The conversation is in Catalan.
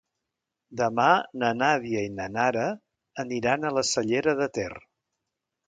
Demà na Nàdia i na Nara aniran a la Cellera de Ter.